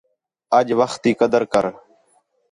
اَڄ وخت تی قدر کر